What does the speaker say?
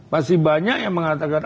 masih banyak yang mengatakan